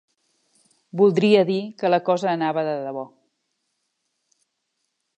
...voldria dir que la cosa anava de debò